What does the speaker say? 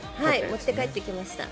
持って帰ってきました。